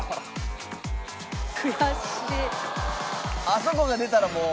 あそこが出たらもう。